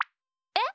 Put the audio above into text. えっ？